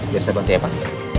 biar saya ganti aja pak